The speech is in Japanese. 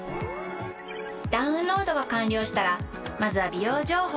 ダウンロードが完了したらまずは「美容情報」をチェック！